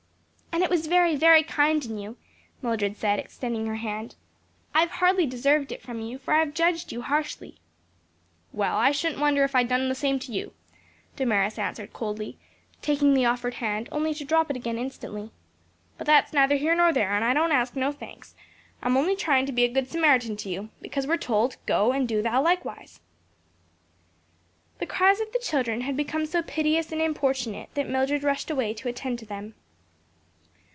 "And it was very, very kind in you," Mildred said, extending her hand. "I have hardly deserved it from you, for I've judged you, harshly." "Well, I shouldn't wonder if I'd done the same to you," Damaris answered coldly, taking the offered hand only to drop it again instantly. "But that's neither here nor there; and I don't ask no thanks. I'm only tryin' to be a good Samaritan to you, because we're told, 'Go, and do thou likewise.'" The cries of the children had become so piteous and importunate that Mildred rushed away to attend to them.